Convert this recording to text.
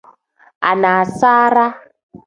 Anasaara.